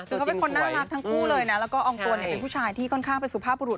คือเขาเป็นคนน่ารักทั้งคู่เลยนะแล้วก็อองตวนเป็นผู้ชายที่ค่อนข้างเป็นสุภาพบุรุษ